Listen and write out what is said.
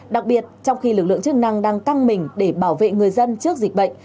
đặc biệt trong khi lực lượng chức năng đang căng mình để bảo vệ người dân trước dịch bệnh